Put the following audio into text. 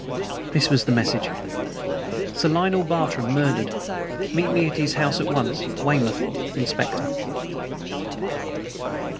This was the message: "Sir Lionel Barton murdered. Meet me at his house at once. WEYMOUTH, INSPECTOR."